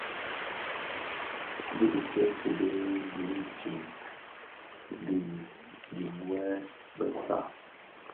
Bi dhi kèsi di zidyōm di dhiňwê bè saad.